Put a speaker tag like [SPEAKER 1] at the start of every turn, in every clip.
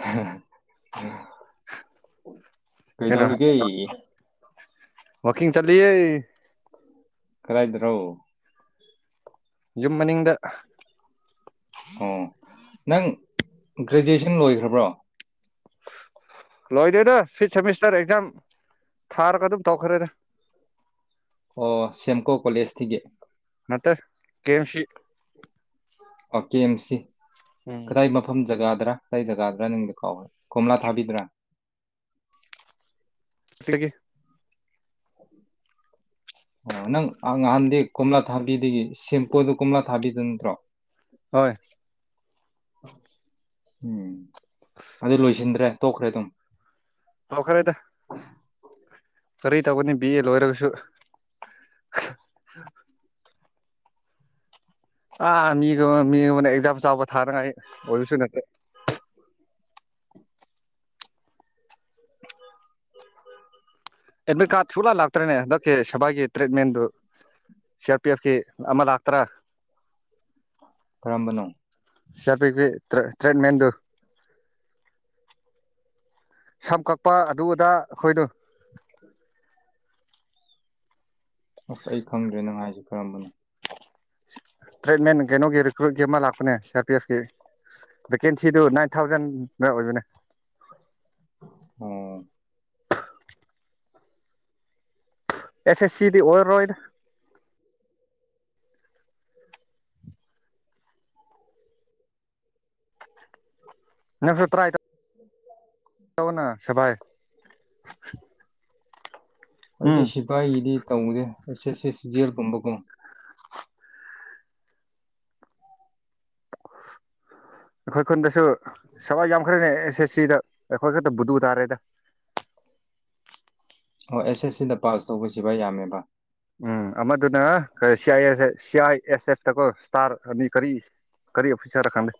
[SPEAKER 1] ꯍ ꯍ ꯑꯝ ꯀꯩ
[SPEAKER 2] ꯀꯩꯅꯣ
[SPEAKER 1] ꯇꯧꯔꯤꯒꯦ
[SPEAKER 2] ꯋꯥꯀꯤꯡ ꯆꯠꯂꯤꯌꯦ
[SPEAKER 1] ꯀꯔꯥꯏꯗꯔꯣ
[SPEAKER 2] ꯌꯨꯝ ꯃꯅꯤꯡꯗ
[SPEAKER 1] ꯑꯣ ꯅꯪ ꯒ꯭ꯔꯦꯖꯨꯑꯦꯁꯟ ꯂꯣꯏꯈ꯭ꯔꯕ꯭ꯔꯣ
[SPEAKER 2] ꯂꯣꯏꯗꯦꯗ ꯐꯤꯐ ꯁꯤꯃꯤꯁꯇꯔ ꯑꯦꯛꯖꯝ ꯊꯥꯔꯒ ꯑꯗꯨꯝ ꯇꯣꯈ꯭ꯔꯦꯗ
[SPEAKER 1] ꯑꯣ ꯁꯦꯝꯀꯣ ꯀꯣꯂꯦꯖ ꯇꯒꯤ
[SPEAKER 2] ꯅꯠꯇꯦ ꯀꯦ ꯑꯦꯝ ꯁꯤ
[SPEAKER 1] ꯑꯣ ꯀꯦ ꯑꯦꯝ ꯁꯤ
[SPEAKER 2] ꯎꯝ
[SPEAKER 1] ꯀꯗꯥꯏ ꯃꯐꯝ ꯖꯒꯥꯗ꯭ꯔꯥ ꯀꯥꯢ ꯖꯒꯥꯗ꯭ꯔꯥ ꯅꯪꯒꯤꯗꯣ ꯀꯥꯎꯋꯦ ꯀꯣꯝꯂꯥ ꯊꯥꯕꯤꯗꯔꯥ
[SPEAKER 2] ꯁꯤꯒꯤ
[SPEAKER 1] ꯑꯣ ꯅꯪ ꯅꯍꯥꯟꯗꯤ ꯀꯣꯝꯂꯥ ꯊꯥꯕꯤꯗꯒꯤ ꯁꯦꯝꯄꯣꯗ ꯀꯣꯝꯂꯥ ꯊꯥꯕꯤꯗ ꯅꯠꯇ꯭ꯔꯣ
[SPEAKER 2] ꯍꯣꯏ
[SPEAKER 1] ꯎꯝ ꯑꯗꯨ ꯂꯣꯏꯁꯤꯟꯗ꯭ꯔꯦ ꯇꯣꯛꯈ꯭ꯔꯦ ꯑꯗꯨꯝ
[SPEAKER 2] ꯇꯧꯈ꯭ꯔꯦꯗ ꯀꯔꯤ ꯇꯧꯒꯅꯤ ꯕꯤ ꯑꯦ ꯂꯣꯏꯔꯒꯁꯨ ꯑꯥ ꯃꯤꯗꯣ ꯃꯤ ꯑꯃꯅ ꯑꯦꯛꯖꯥꯝ ꯆꯥꯎꯕ ꯊꯥꯅꯉꯥꯏ ꯑꯣꯏꯕꯁꯨ ꯅꯠꯇꯦ ꯑꯦꯗꯃꯤꯠ ꯀꯥꯔꯗ ꯁꯨꯛꯂ ꯂꯥꯛꯇ꯭ꯔꯅꯦ ꯍꯟꯗꯛꯀꯤ ꯁꯕꯥꯏꯒꯤ ꯇ꯭ꯔꯤꯠꯃꯦꯟꯗꯨ ꯁꯤ ꯑꯥꯔ ꯄꯤ ꯑꯦꯐꯀꯤ ꯑꯃ ꯂꯥꯛꯇ꯭ꯔꯥ
[SPEAKER 1] ꯀꯔꯝꯕꯅꯣ
[SPEAKER 2] ꯁꯝꯌꯥꯄꯤꯒꯤ ꯇ꯭ꯔꯦꯠ ꯃꯦꯟꯗꯨ ꯁꯝ ꯀꯛꯄ ꯑꯗꯨ ꯑꯗꯥ ꯑꯩꯈꯣꯏꯗꯣ
[SPEAKER 1] ꯑꯁ ꯑꯩ ꯈꯪꯗ꯭ꯔꯦ ꯅꯪ ꯍꯥꯏꯖꯦ ꯀꯔꯝꯕꯅꯣ
[SPEAKER 2] ꯇ꯭ꯔꯤꯗꯃꯦꯟ ꯀꯩꯅꯣꯒꯤ ꯔꯤꯀ꯭ꯔꯨꯏꯠꯀꯤ ꯑꯃ ꯂꯥꯛꯄꯅꯦ ꯁꯤ ꯑꯔ ꯄꯤ ꯑꯦꯐꯀꯤ ꯚꯦꯀꯦꯟꯁꯤ ꯁꯤꯗꯨ ꯅꯥꯏꯟ ꯊꯥꯎꯖꯟꯗ ꯑꯣꯏꯕꯅꯦ
[SPEAKER 1] ꯑꯣ
[SPEAKER 2] ꯑꯦꯁ ꯑꯦꯁ ꯁꯤꯗꯤ ꯑꯣꯏ ꯔꯣꯏꯗ ꯅꯠꯇ꯭ꯔ ꯇ꯭ꯔꯥꯢ ꯇꯧ
[SPEAKER 1] [unintelligible]
[SPEAKER 2] ꯇꯧꯅ ꯁꯕꯥꯥꯏ [inaudible]
[SPEAKER 1] ꯑꯩꯗꯤ ꯁꯤꯐꯥꯢꯒꯤꯗꯤ ꯇꯧꯗꯦ ꯑꯦ ꯁꯦ ꯁꯤꯖꯤꯌꯦꯜꯒꯨꯝꯕꯀꯣ
[SPEAKER 2] ꯑꯩꯈꯣꯏ ꯈꯨꯟꯗꯁꯨ ꯁꯤꯐꯥꯏ ꯌꯥꯝ ꯈꯔꯦꯅꯦ ꯑꯦꯁ ꯑꯦꯁ ꯁꯤꯗ ꯑꯩꯈꯣꯏ ꯈꯛꯇ ꯕꯨꯗꯨ ꯇꯥꯔꯦꯗ
[SPEAKER 1] ꯑꯣ ꯑꯦꯁ ꯑꯦꯁ ꯁꯤꯗ ꯄꯥꯁ ꯇꯧꯕꯁꯤꯕꯥꯏ ꯌꯥꯝꯃꯦꯕ
[SPEAKER 2] ꯎꯝ ꯑꯃꯗꯨꯅ ꯁꯤꯥꯏ ꯑꯦꯁ ꯑꯦ C I S F ꯗꯀꯣ star ꯑꯅꯤ ꯀꯔꯤ ꯀꯔꯤ ꯑꯣꯐꯤꯁꯥꯔꯔ ꯈꯪꯗꯦ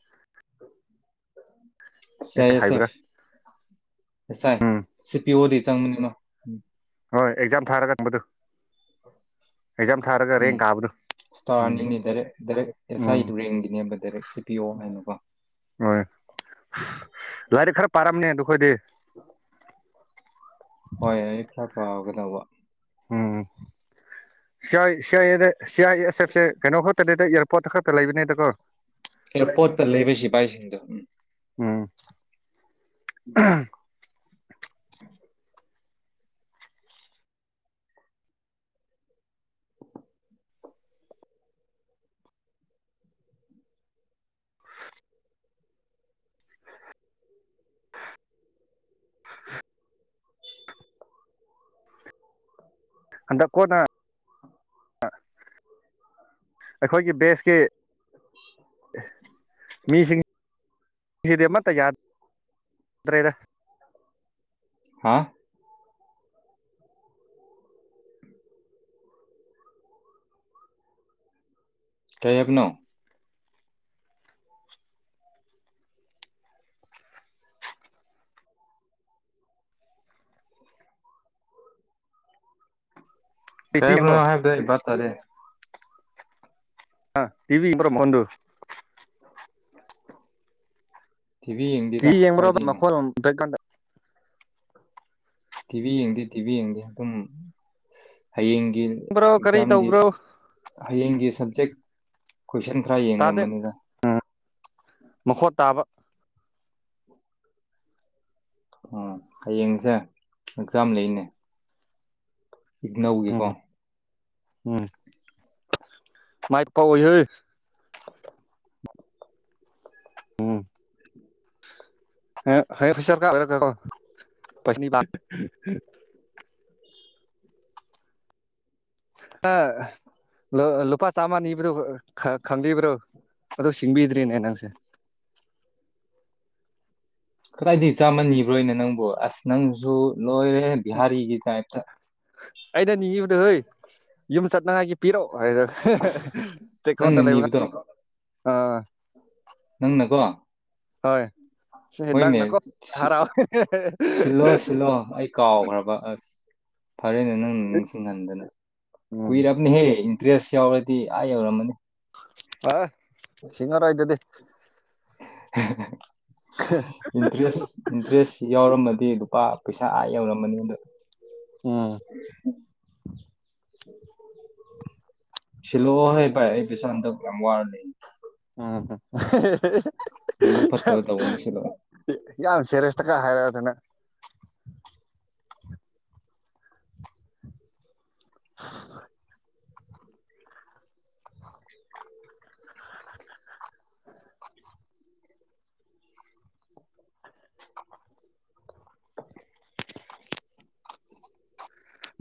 [SPEAKER 1] ꯁꯤ ꯑꯥꯢ ꯑꯦꯁ ꯑꯦꯐ ꯑꯦꯁꯑꯥꯢ ꯁꯤ ꯄꯤ ꯑꯣꯗꯤ ꯆꯪꯅꯤꯡꯒꯅꯣ ꯎꯝ
[SPEAKER 2] ꯍꯣꯏ ꯑꯦꯛꯖꯥꯝ ꯊꯥꯔꯒ ꯒꯨꯞꯕꯗꯨ
[SPEAKER 1] ꯎꯝ
[SPEAKER 2] ꯎꯝ
[SPEAKER 1] ꯏꯁꯇꯥꯔꯑꯥꯅꯤꯅꯤ ꯗꯥꯏꯔꯦꯛ ꯗꯥꯏꯔꯦꯛ ꯑꯦꯁ
[SPEAKER 2] ꯎꯝ
[SPEAKER 1] ꯑꯥꯏꯗꯨ ꯔꯦꯡꯒꯤꯅꯦꯕ ꯗꯥꯏꯔꯦꯛ ꯁꯤ ꯄꯤ ꯑꯣ ꯍꯥꯏꯅꯀꯣ
[SPEAKER 2] ꯍꯣꯏ ꯂꯥꯏꯔꯤꯛ ꯈꯔ ꯄꯥꯔꯝꯅꯦ ꯑꯗꯨꯈꯣꯏꯗꯤ
[SPEAKER 1] ꯍꯣꯏ ꯑꯩ ꯈꯔ ꯄꯥꯒꯗꯧꯕ
[SPEAKER 2] ꯎꯝ C I C I A the C I ꯑꯦꯁ ꯑꯦꯐꯁꯦ ꯀꯩꯅꯣ ꯈꯣꯠꯇꯅꯤꯗ ꯄꯣꯠꯇ ꯈꯛꯇ ꯂꯩꯕꯅꯤꯗꯀꯣ
[SPEAKER 1] ꯑꯥꯌꯔ ꯄꯣꯠꯇ ꯂꯩꯕ ꯁꯤꯐꯥꯏꯁꯤꯡꯗꯣ ꯎꯝ
[SPEAKER 2] ꯎꯝ ꯑꯍꯝ [inaudible] ꯍꯟꯗꯛ ꯀꯣꯟꯅ ꯑꯩꯈꯣꯏꯒꯤ ꯕꯦꯁꯀꯤ ꯃꯤꯁꯤꯡꯁꯤꯗꯤ ꯑꯃꯠꯇ ꯌꯥ ꯌꯥꯗ꯭ꯔꯦꯗ
[SPEAKER 1] ꯍꯥ ꯀꯩ ꯍꯥꯏꯕꯅꯣ ꯀꯩ ꯍꯥꯏꯕꯅꯣ
[SPEAKER 2] ꯄꯤꯇꯤꯡꯕꯣ
[SPEAKER 1] ꯅꯪ ꯍꯥꯏꯕꯗꯣ ꯑꯩ ꯚꯥꯕ ꯇꯥꯗꯦ
[SPEAKER 2] ꯑ ꯇꯤꯚ ꯏ꯭ꯔꯣ ꯃꯟꯗꯨ [unintelligible]
[SPEAKER 1] ꯇꯤꯚꯤ
[SPEAKER 2] ꯀꯤ
[SPEAKER 1] ꯌꯦꯡꯗꯦꯗ
[SPEAKER 2] ꯌꯦꯡꯕ꯭ꯔꯣ
[SPEAKER 1] ꯀꯥꯏꯗꯩꯅꯣ
[SPEAKER 2] ꯃꯈꯣꯜ [unintelligible]
[SPEAKER 1] ꯇꯤꯚꯤ ꯌꯦꯡꯗꯦ ꯇꯤꯚꯤ ꯌꯦꯡꯗꯦ ꯑꯗꯨꯝ ꯍꯌꯦꯡ ꯒꯤ
[SPEAKER 2] ꯕ꯭ꯔꯣ ꯀꯔꯤ
[SPEAKER 1] ꯑꯦꯛꯖꯥꯝꯒꯤ
[SPEAKER 2] ꯇꯧꯕ꯭ꯔꯣ
[SPEAKER 1] ꯍꯌꯦꯡꯒꯤ ꯁꯕꯖꯦꯛ ꯀꯣꯏꯁꯟ ꯈꯔ ꯌꯦꯡꯉꯝ
[SPEAKER 2] ꯇꯥꯗꯦ
[SPEAKER 1] ꯕꯅꯤꯗ
[SPEAKER 2] ꯃꯈꯣꯠ ꯇꯥꯕ
[SPEAKER 1] ꯑꯣ ꯍꯌꯦꯡꯁꯦ ꯑꯦꯛꯖꯥꯝ ꯂꯩꯌꯦꯅꯦ ꯏꯛꯅꯧꯒꯤꯀꯣ
[SPEAKER 2] ꯎꯝ ꯎꯝ ꯃꯥꯏ ꯄꯥꯎꯑꯣꯢꯌꯦ ꯍ ꯐꯁꯔ ꯀꯥ ꯑꯣꯏꯔ ꯀꯣ ꯄꯁꯅꯤ ꯄꯥꯛ ꯑ ꯂ ꯂꯨꯄꯥ ꯆꯥ ꯃꯅꯅꯤꯕ꯭ꯔꯣ ꯈꯔ ꯈꯪꯕꯤꯕ꯭ꯔꯣ ꯑꯗꯨ ꯁꯤꯡꯕꯤꯗ꯭ꯔꯤꯅꯦ ꯅꯪꯁꯦ
[SPEAKER 1] ꯀꯗꯥꯏꯗꯒꯤ ꯆꯥꯃ ꯅꯤꯕ꯭ꯔꯣ ꯑꯩꯅ ꯅꯪꯕꯨ ꯑꯁ ꯅꯪꯁꯨ ꯂꯣꯏꯔꯦ ꯕꯤꯍꯥꯔꯤꯒꯤ ꯇꯥꯏꯞꯇ
[SPEAKER 2] ꯅꯪꯒꯤ ꯌꯨꯗꯣ ꯍꯦ ꯌꯨꯝ ꯆꯠꯅꯉꯥꯏꯒꯤ ꯄꯤꯛꯑꯣ ꯀꯥꯏꯔꯛ ꯆꯦꯛꯀꯣꯟꯗ
[SPEAKER 1] ꯅꯪꯅ
[SPEAKER 2] ꯂꯩꯕ
[SPEAKER 1] ꯅꯤꯕꯗꯣ
[SPEAKER 2] ꯑꯥ
[SPEAKER 1] ꯅꯪꯅꯀꯣ
[SPEAKER 2] ꯍꯣꯏ ꯁꯤ
[SPEAKER 1] ꯍꯣꯏꯅꯦ
[SPEAKER 2] ꯅꯪꯅꯀꯣ
[SPEAKER 1] ꯁꯤ
[SPEAKER 2] ꯍꯔꯥꯎ
[SPEAKER 1] ꯁꯤꯜꯂꯣ ꯁꯤꯜꯂꯣ ꯑꯩ ꯀꯥꯎꯈ꯭ꯔꯕ ꯑꯁ ꯐꯔꯦꯅꯦ ꯅꯪꯅ ꯅꯤꯡꯁꯤꯡꯍꯟꯗꯅ
[SPEAKER 2] ꯎꯝ
[SPEAKER 1] ꯀꯨꯏꯔꯕꯅꯤꯍꯦ ꯗ꯭ꯔꯦꯁ ꯌꯥꯎꯔꯗꯤ ꯑꯥ ꯌꯧꯔꯝꯃꯅꯤ
[SPEAKER 2] ꯑ ꯁꯤꯡꯉꯔꯣꯢ ꯑꯗꯨꯗꯤ
[SPEAKER 1] [inaudible] ꯏꯟꯇꯔꯦꯁ ꯏꯟꯇꯔꯦꯁ ꯌꯥꯎꯔꯝꯒ ꯗꯤ ꯂꯨꯄꯥ ꯄꯩꯁꯥ ꯑꯥ ꯌꯧꯔꯃꯅꯤ ꯑꯗ
[SPEAKER 2] ꯎꯝ
[SPEAKER 1] ꯁꯤꯂꯣ ꯍꯦ ꯄꯔ ꯑꯩ ꯄꯩꯁꯥ ꯍꯟꯇꯛ ꯌꯥꯝ ꯋꯥꯔꯦ
[SPEAKER 2] ꯎꯝ
[SPEAKER 1] ꯅꯕꯨꯛ ꯐꯠꯇꯕ ꯇꯧꯒꯅꯨ ꯁꯤꯜꯂꯛꯑꯣ
[SPEAKER 2] ꯌꯥꯝ ꯁꯦꯔꯦꯁ ꯐꯖ ꯍꯥꯏꯌꯣꯔꯗꯅ [inaudible]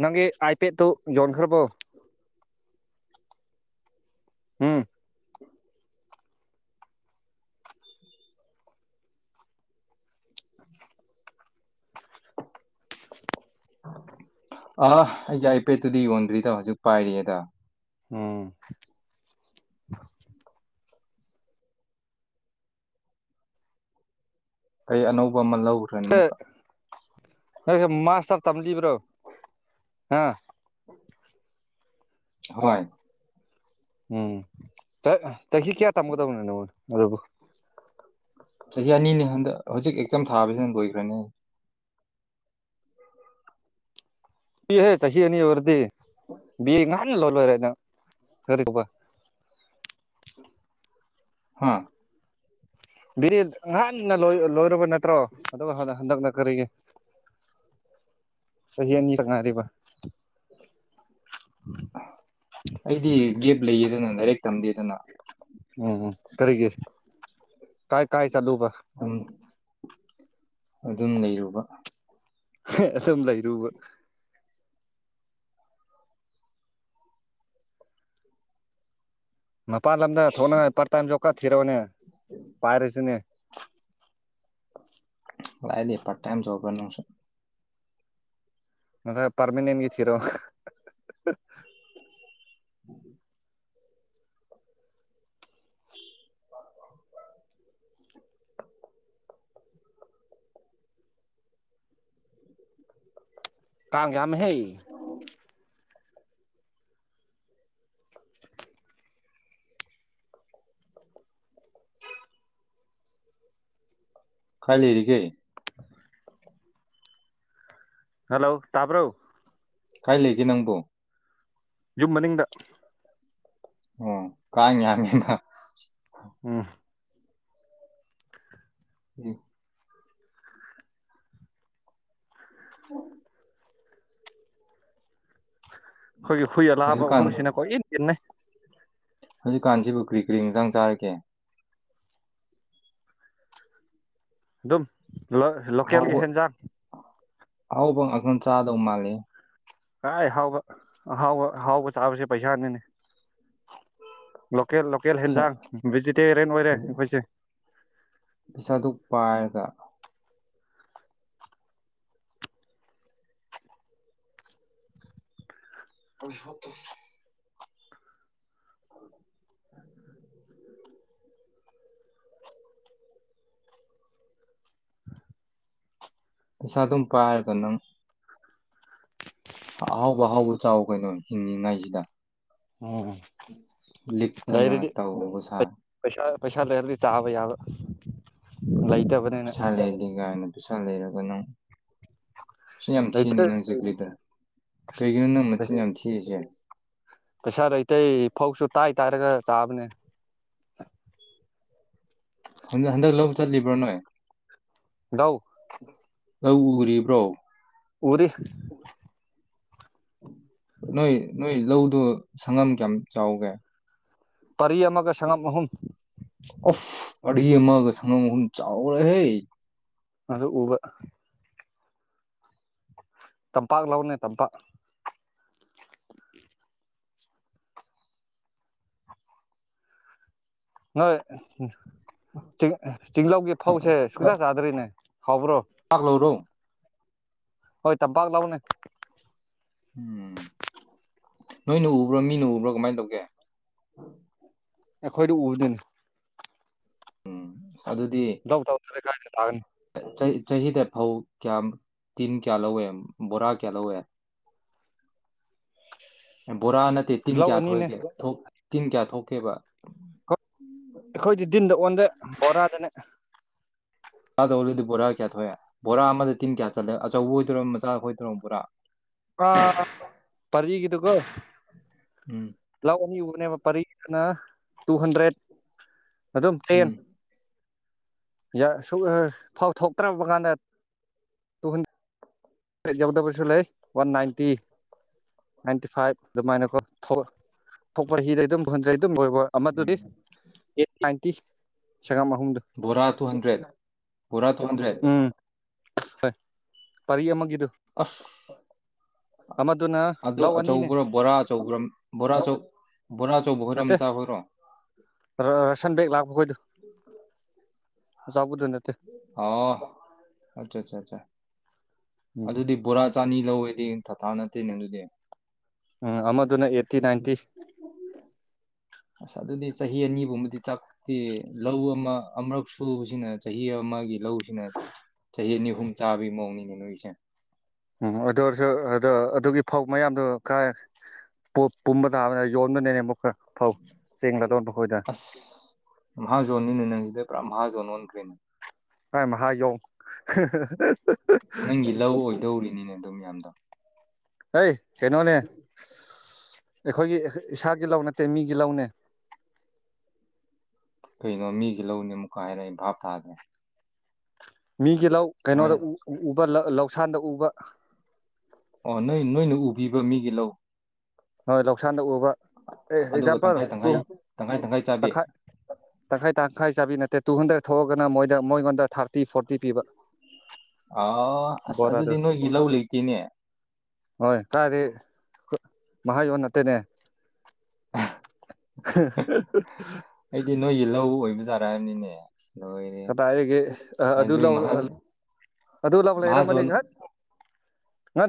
[SPEAKER 2] ꯅꯪꯒꯤ ꯑꯩꯥꯏ ꯄꯦꯠ ꯇꯨ ꯌꯣꯟꯈ꯭ꯔꯔꯕꯣ ꯎꯝ
[SPEAKER 1] ꯑ ꯑꯩꯒꯤ ꯑꯥꯏꯄꯦꯠꯇꯨꯗꯤ ꯌꯣꯟꯗ꯭ꯔꯤꯗ ꯍꯧꯖꯤꯛ ꯄꯥꯏꯔꯤꯑꯌꯦꯗ
[SPEAKER 2] ꯎꯝ
[SPEAKER 1] ꯀꯩ ꯑꯅꯧ
[SPEAKER 2] ꯍ ꯅ ꯃꯥꯁꯇ꯭ꯔ ꯇꯝꯂꯤꯕ꯭ꯔꯣ ꯍꯥꯥ
[SPEAKER 1] ꯍꯣꯏ
[SPEAKER 2] ꯎꯝ ꯆꯠ ꯆꯍꯤ ꯀꯌꯥ ꯇꯝꯒꯗꯕꯅꯣ ꯅꯉꯣꯟ ꯑꯗꯨꯕꯨ
[SPEAKER 1] ꯆꯍꯤ ꯑꯅꯤꯅꯤ ꯍꯟꯗꯛ ꯍꯧꯖꯤꯛ ꯑꯦꯛꯖꯥꯝ ꯊꯥꯕꯁꯤꯅ ꯂꯣꯏꯈ꯭ꯔꯅꯤ
[SPEAKER 2] ꯏꯍꯦ ꯆꯍꯤ ꯑꯅꯤ ꯑꯣꯏꯔꯗꯤ ꯕꯤ ꯉꯥꯏ [unintelligible]
[SPEAKER 1] ꯍꯥꯥ
[SPEAKER 2] ꯕꯤ ꯑꯦꯠ ꯉꯍꯥꯟꯅ ꯂꯣꯏ ꯂꯣꯏꯔꯕ ꯅꯠ ꯇ꯭ꯔꯣ ꯑꯗꯨꯒ ꯍ ꯍꯟꯗꯛ ꯅ ꯀꯔꯤꯒꯤ ꯆꯍꯤ ꯑꯅꯤ ꯈꯛ ꯉꯥꯏꯔꯤꯕ
[SPEAKER 1] ꯑꯩꯗꯤ ꯒꯦꯞ ꯂꯩꯌꯦꯗꯅ ꯂꯥꯏꯔꯤꯛ ꯇꯝꯗꯦꯗꯅ
[SPEAKER 2] ꯎꯝ ꯎꯝ ꯀꯔꯤꯒꯤ ꯀꯥꯏ ꯀꯥꯏ ꯆꯠꯂꯨꯕ
[SPEAKER 1] ꯑꯗꯨꯝ ꯑꯗꯨꯝ ꯂꯩꯔꯨꯕ
[SPEAKER 2] ꯍꯦꯠ ꯑꯗꯨꯝ ꯂꯩꯔꯨꯕ ꯃꯄꯥꯟ ꯂꯝꯗ ꯊꯣꯛꯅꯉꯥꯏ ꯄꯥꯔꯠꯇꯥꯏꯝ ꯖꯣꯞ ꯀꯥ ꯊꯤꯔꯣꯅꯦ ꯄꯥꯏꯔꯁꯤꯅꯦ [inaudible]
[SPEAKER 1] ꯂꯥꯏꯅꯦ ꯄꯔꯥꯇꯥꯏꯝ ꯖꯣꯞꯕꯅꯨꯡꯁꯨ
[SPEAKER 2] ꯉꯁꯥꯏ ꯄꯔꯃꯤꯅꯦꯟꯒꯤ ꯊꯤꯔꯛꯑꯣ [unintelligible]
[SPEAKER 1] [inaudible] [inaudible]
[SPEAKER 2] ꯀꯥꯡ ꯌꯥꯝꯃꯦ ꯍꯦ
[SPEAKER 1] ꯀꯥꯏ ꯂꯩꯔꯤꯒꯦ
[SPEAKER 2] ꯍꯜꯂꯣ ꯇꯥꯕ꯭ꯔꯣ
[SPEAKER 1] ꯀꯥꯏ ꯂꯩꯒꯦ ꯅꯪꯕꯣ
[SPEAKER 2] ꯌꯨꯝꯃꯅꯤꯡꯗ
[SPEAKER 1] ꯑꯣ ꯀꯥꯡ ꯌꯥꯝꯃꯦꯅ
[SPEAKER 2] ꯎꯝ
[SPEAKER 1] ꯎꯝ [inaudible]
[SPEAKER 2] ꯈꯣꯏꯒꯤ ꯍꯨꯏ ꯑꯅꯥꯕ
[SPEAKER 1] ꯍꯧꯖꯤꯛꯀꯥꯟ
[SPEAKER 2] ꯑꯍꯨꯨꯝꯁꯤꯅ ꯀꯣꯏ ꯏꯟ ꯏꯟꯅꯩ
[SPEAKER 1] ꯍꯧꯖꯤꯛꯀꯥꯟꯁꯤꯕꯨ ꯀꯔꯤ ꯀꯔꯤ ꯌꯦꯟꯖꯥꯡ ꯆꯥꯔꯀꯦ
[SPEAKER 2] ꯑꯗꯨꯝ ꯂꯣ ꯍꯂꯣ ꯂꯣꯀꯦꯜꯒꯤ ꯍꯦꯟꯖꯥꯡ
[SPEAKER 1] ꯑꯥꯍꯥꯎꯕ ꯉꯥꯛꯇꯪ ꯆꯥꯗꯧ ꯃꯥꯜꯂꯦ
[SPEAKER 2] ꯑꯥꯏ ꯍꯥꯎꯕ ꯑꯍꯥꯎꯕ ꯑꯍꯥꯎꯕ ꯆꯥꯕꯁꯦ ꯄꯩꯁꯥꯅꯤꯅꯦ ꯂꯣꯀꯦꯜ ꯂꯣꯀꯦꯜ ꯍꯦꯟꯖꯥꯡ ꯚꯦꯖꯤꯇꯦꯔꯤꯌꯟ ꯑꯣꯏꯔꯦ ꯑꯩꯈꯣꯏꯁꯦ
[SPEAKER 1] ꯄꯩꯁꯥꯗꯨ ꯄꯥꯏꯔꯒ [unintelligible] [inaudible] ꯄꯩꯁꯥ ꯑꯗꯨꯝ ꯄꯥꯏꯔꯒ ꯅꯪ ꯑꯍꯥꯎꯕ ꯑꯍꯥꯎꯕ ꯆꯥꯎ ꯀꯩꯅꯣ ꯍꯤꯡꯉꯉꯥꯏꯁꯤꯗ
[SPEAKER 2] ꯎꯝ
[SPEAKER 1] ꯂꯤꯛꯇꯅ
[SPEAKER 2] ꯂꯩꯔꯗꯤ
[SPEAKER 1] ꯇꯧꯕꯧꯕ ꯁꯥꯥ
[SPEAKER 2] ꯄꯩꯁꯥ ꯄꯩꯁꯥ ꯂꯩꯔꯗꯤ ꯆꯥꯕ ꯌꯥꯕ ꯂꯩꯇꯕꯅꯤꯅ
[SPEAKER 1] ꯄꯩꯁꯥ ꯂꯩꯇꯦ ꯀꯥꯏꯅ ꯄꯩꯁꯥ ꯂꯩꯔꯒ ꯅꯪ ꯆꯤꯟ ꯌꯥꯝ ꯊꯤꯅꯤ
[SPEAKER 2] ꯂꯩꯇ꯭ꯔꯦ
[SPEAKER 1] ꯅꯪꯁꯦ ꯀ꯭ꯔꯤꯗ ꯀꯩꯒꯤꯅꯣ ꯅꯪ ꯃꯆꯤꯟ ꯌꯥꯝ ꯊꯤꯁꯦ
[SPEAKER 2] ꯄꯦꯁꯥ ꯂꯩꯇꯦ ꯐꯥꯎꯁꯨ ꯇꯥꯏ ꯇꯥꯔꯒ ꯆꯥꯕꯅꯦ
[SPEAKER 1] ꯍꯟꯗꯛ ꯍꯟꯗꯛ ꯂꯧ ꯆꯠꯂꯤꯕ꯭ꯔꯥ ꯅꯣꯏ
[SPEAKER 2] ꯂꯧ
[SPEAKER 1] ꯂꯧ ꯎꯔꯤꯕ꯭ꯔꯣ
[SPEAKER 2] ꯎꯔꯤ
[SPEAKER 1] ꯅꯣꯏ ꯅꯣꯏ ꯂꯧꯗꯨ ꯁꯪꯉꯝ ꯀꯌꯥꯝ ꯆꯥꯎꯒꯦ
[SPEAKER 2] ꯄꯔꯤ ꯑꯃꯒ ꯁꯪꯉꯝ ꯑꯍꯨꯝ
[SPEAKER 1] ꯄꯥꯔꯤ ꯑꯃꯒ ꯁꯪꯒꯝ ꯑꯍꯨꯝ ꯆꯥꯎ ꯋꯤꯍꯦ
[SPEAKER 2] ꯑꯗꯣ ꯎꯕ ꯇꯝꯄꯥꯛ ꯂꯥꯎꯅꯦ ꯇꯝꯄꯥꯛ ꯅꯣꯏ ꯇꯤꯡ ꯇꯤꯡꯂꯧꯒꯤ ꯐꯧꯁꯦ ꯁꯨꯡꯆꯥꯥ ꯆꯥꯗ꯭ꯔꯤꯅꯦ ꯍꯥꯎꯕ꯭ꯔꯣ
[SPEAKER 1] ꯄꯥꯛꯂꯧꯔꯣ
[SPEAKER 2] ꯍꯣꯏ ꯇꯝꯄꯥꯛ ꯂꯧꯅꯦ
[SPEAKER 1] ꯎꯝ ꯅꯣꯏꯅ ꯎꯕ꯭ꯔꯣ ꯃꯤꯅ ꯎꯕ꯭ꯔꯣ ꯀꯃꯥꯏ ꯇꯧꯒꯦ
[SPEAKER 2] ꯑꯩꯈꯣꯏꯅ ꯎꯕꯅꯦ
[SPEAKER 1] ꯎꯝ ꯑꯗꯨꯗꯤ
[SPEAKER 2] ꯑꯗꯨꯗꯤ ꯀꯥ ꯊꯥꯒꯅꯤ
[SPEAKER 1] ꯑ ꯆꯍꯤ ꯆꯍꯤꯗ ꯐꯧ ꯀꯌꯥꯝ ꯇꯤꯟ ꯀꯌꯥ ꯂꯧꯋꯦ ꯕꯣꯔꯥ ꯀꯌꯥ ꯂꯧꯋꯦ ꯎꯝ ꯕꯣꯔꯥ ꯅꯠꯇꯦ ꯇꯤꯟ
[SPEAKER 2] ꯂꯧ
[SPEAKER 1] ꯀꯌꯥ
[SPEAKER 2] ꯑꯅꯤꯅꯦ
[SPEAKER 1] ꯊꯣꯛꯑꯒꯦ ꯊꯣꯛ ꯇꯤꯟ ꯀꯌꯥ ꯊꯣꯛꯀꯦꯕ
[SPEAKER 2] ꯑꯩꯈꯣꯏꯗꯤ ꯗꯤꯟꯗ ꯑꯣꯟꯗꯦ ꯕꯣꯔꯥꯗꯅꯦ
[SPEAKER 1] ꯑꯗꯣ ꯅꯣꯏꯗꯤ ꯕꯣꯔꯥ ꯀꯌꯥ ꯊꯣꯛꯑꯦ ꯕꯣꯔꯥ ꯑꯃꯗ ꯇꯤꯟ ꯀꯌꯥ ꯆꯠꯂꯦ ꯑꯆꯧꯕ ꯑꯣꯏꯗꯣꯔꯣ ꯃꯆꯥ ꯑꯣꯏꯗꯣꯏꯔ ꯕꯣꯔꯥ
[SPEAKER 2] ꯑ ꯄꯔꯤꯒꯤꯗꯨꯀꯣ
[SPEAKER 1] ꯎꯝ
[SPEAKER 2] ꯂꯧ ꯑꯅꯤ ꯎꯕꯅꯦꯕ ꯄꯔꯤꯒꯤꯗꯨꯅ ꯇꯨ ꯍꯟꯗ꯭ꯔꯦꯠ ꯑꯗꯨꯝ ꯊꯦꯝ
[SPEAKER 1] ꯎꯝ
[SPEAKER 2] ꯌꯥꯏ ꯁꯨꯛ ꯐꯧ ꯊꯣꯛꯇ꯭ꯔꯕ ꯀꯥꯟꯗ ꯇꯨꯍꯟ ꯌꯎꯗꯕꯁꯨ ꯂꯩ ꯋꯥꯟ ꯅꯥꯏꯟꯇꯤ ꯅꯥꯏꯟꯇꯤ ꯐꯥꯏꯚ ꯑꯗꯨꯃꯥꯏꯅꯀꯣ ꯐꯧ ꯄꯔꯤꯗ ꯑꯗꯨꯝ ꯐꯪꯈ꯭ꯔꯦ ꯑꯗꯨꯝ ꯂꯣꯏꯕ ꯑꯃ ꯗꯨꯗꯤ
[SPEAKER 1] ꯎꯝ
[SPEAKER 2] ꯑꯩꯠ ꯅꯥꯏꯟ ꯇꯤ
[SPEAKER 1] ꯕꯣꯔꯥ ꯇꯨ ꯍꯟꯗ꯭ꯔꯦꯠ ꯕꯣꯔꯥ ꯇꯨ ꯍꯟꯗ꯭ꯔꯦꯠ
[SPEAKER 2] ꯎꯝ ꯄꯔꯤ ꯑꯃꯒꯤ
[SPEAKER 1] ꯑꯁ
[SPEAKER 2] ꯑꯃꯗꯨꯅ
[SPEAKER 1] ꯑꯗꯨ
[SPEAKER 2] ꯂꯧ ꯑꯅꯤꯅꯦ
[SPEAKER 1] ꯑꯆꯧꯕ꯭ꯔꯣ ꯕꯣꯔꯥ ꯑꯆꯧꯕ꯭ꯔ ꯕꯣꯔꯥꯆꯧ
[SPEAKER 2] ꯅꯠꯇꯦ ꯔꯦꯁꯟ ꯕꯦꯛ ꯂꯥꯛꯄ ꯈꯣꯏꯗꯣ ꯑꯆꯥꯎꯕꯗꯨ ꯅꯠꯇꯦ
[SPEAKER 1] ꯑꯣ ꯑꯆꯥ ꯑꯆꯥ ꯑꯆꯥ
[SPEAKER 2] ꯎꯝ
[SPEAKER 1] ꯑꯗꯨꯗꯤ ꯕꯣꯔꯥ ꯆꯥꯅꯤ ꯂꯧꯋꯦꯗꯤ ꯑꯥ ꯅꯠꯇꯦꯅꯦ ꯑꯗꯨꯗꯤ
[SPEAKER 2] ꯎꯝ ꯑꯃꯗꯨꯅ ꯑꯦꯠꯇꯤ ꯅꯥꯏꯟꯇꯤ
[SPEAKER 1] ꯑꯁ ꯑꯗꯨꯗꯤ ꯆꯍꯤ ꯑꯅꯤ ꯒꯨꯝꯕꯗꯤ ꯆꯥꯛꯇꯤ ꯂꯧ ꯑꯃ ꯑꯃꯔꯛ ꯁꯨꯕꯁꯤꯅ ꯆꯍꯤ ꯑꯃꯒꯤ ꯂꯧꯁꯤꯅ ꯆꯍꯤ ꯑꯅꯤ ꯑꯍꯨꯝ ꯆꯥꯕꯒꯤ ꯃꯑꯣꯡꯅꯤꯅꯦ ꯅꯣꯏꯁꯦ
[SPEAKER 2] ꯎꯝ ꯑꯗꯨ ꯑꯣꯏꯔꯁꯨ ꯑ ꯑꯗꯨꯒꯤ ꯐꯧ ꯃꯌꯥꯝ ꯗꯨ ꯀꯥꯏ ꯕꯣꯠ ꯄꯨꯝꯕ ꯇꯥꯕꯅꯦ ꯌꯣ [unintelligible]
[SPEAKER 1] ꯑꯁ ꯃꯍꯥꯖꯣꯟꯅꯤꯅꯦ ꯅꯪꯁꯤꯗꯤ ꯄꯨꯔꯥ ꯃꯥꯍꯥꯖꯣꯟ ꯑꯣꯟꯈꯔꯦ
[SPEAKER 2] [unintelligible]
[SPEAKER 1] ꯅꯪꯒꯤ ꯂꯧ ꯑꯣꯏꯗꯧꯔꯤ ꯃꯤ ꯑꯗꯨꯝ ꯌꯥꯝꯃꯤꯗꯣ
[SPEAKER 2] ꯑꯩ ꯀꯩꯅꯣꯅꯦ ꯑꯩꯈꯣꯏꯒꯤ ꯏꯁꯥꯒꯤ ꯂꯧ ꯅꯠꯇꯦ ꯃꯤꯒꯤ ꯂꯧꯅꯦ
[SPEAKER 1] ꯀꯩꯅꯣ ꯃꯤꯒꯤ ꯂꯧꯅꯤ ꯑꯃꯨꯛ ꯍꯥꯏꯔꯂ ꯑꯩ ꯚꯥꯕ ꯇꯥꯗ꯭ꯔꯦ
[SPEAKER 2] ꯃꯤꯒꯤ ꯂꯧ ꯀꯩꯅꯣꯗ
[SPEAKER 1] ꯀꯃꯥꯏꯅ
[SPEAKER 2] ꯎꯕ ꯂꯧ ꯂꯧꯁꯥꯟꯗ ꯎꯕ
[SPEAKER 1] ꯑꯣ ꯅꯣꯏ ꯅꯣꯏꯅ ꯎꯕꯤꯕ ꯃꯤꯒꯤ ꯂꯧ
[SPEAKER 2] ꯍꯣꯏ ꯂꯧꯁꯥꯟꯗ ꯎꯕ ꯑꯦ
[SPEAKER 1] ꯑꯗꯨꯒ
[SPEAKER 2] ꯑꯦꯛꯖꯥꯝꯄꯜ
[SPEAKER 1] ꯇꯪꯈꯥꯏ
[SPEAKER 2] ꯇꯨ
[SPEAKER 1] ꯇꯪꯈꯥꯏ ꯇꯪꯈꯥꯏ ꯆꯥꯕꯤ
[SPEAKER 2] ꯇꯪꯈꯥꯏ ꯇꯪꯈꯥꯏ ꯇꯥ ꯇꯈꯥꯏ ꯆꯥꯕꯤ ꯅꯠꯇꯦ ꯇꯨ ꯍꯟꯗ꯭ꯔꯦꯗ ꯊꯣꯛꯑꯒꯅ ꯃꯣꯏꯗ ꯃꯣꯏꯉꯣꯟꯗ ꯊꯥꯔꯇꯤ ꯐꯣꯔꯇꯤ ꯄꯤꯕ
[SPEAKER 1] ꯑꯥ ꯑꯁ
[SPEAKER 2] ꯕꯣꯔꯥꯗꯨ
[SPEAKER 1] ꯑꯗꯨꯗꯤ ꯅꯣꯏꯒꯤ ꯂꯧ ꯂꯩꯇꯦꯅꯦ
[SPEAKER 2] [unintelligible] [unintelligible]
[SPEAKER 1] ꯑꯩꯗꯤ
[SPEAKER 2] [unintelligible]
[SPEAKER 1] ꯅꯣꯏꯒꯤ ꯂꯧ ꯑꯣꯏꯕꯖꯥꯔ ꯍꯥꯏꯝꯅꯤꯅꯦ
[SPEAKER 2] ꯀꯗꯥꯏꯗꯒꯤ ꯑ ꯑꯗꯨ ꯂꯧ
[SPEAKER 1] ꯃꯍꯥ
[SPEAKER 2] ꯑꯪ ꯑꯗꯨ ꯂꯧꯎ ꯂꯩꯔꯝꯃꯗꯤ
[SPEAKER 1] ꯃꯍꯥꯖꯣꯟ
[SPEAKER 2] ꯉꯥꯛ ꯉꯠ